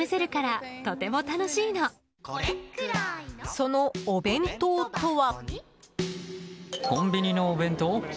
そのお弁当とは。